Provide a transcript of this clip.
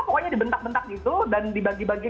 pokoknya dibentak bentak gitu dan dibagi bagi